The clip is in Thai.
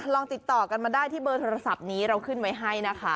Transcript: ลองติดต่อกันมาได้ที่เบอร์โทรศัพท์นี้เราขึ้นไว้ให้นะคะ